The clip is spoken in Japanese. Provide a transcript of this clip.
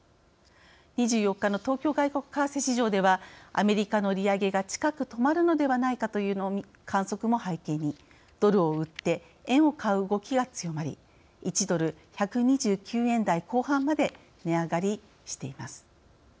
２４日の東京外国為替市場ではアメリカの利上げが近く止まるのではないかという観測も背景に、ドルを売って円を買う動きが強まり１ドル、１２９円台後半まで値上がりしています。